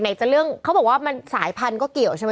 จะเรื่องเขาบอกว่ามันสายพันธุ์ก็เกี่ยวใช่ไหม